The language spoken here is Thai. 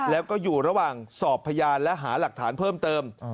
แล้วก็อยู่ระหว่างสอบพยานและหาหลักฐานเพิ่มเติม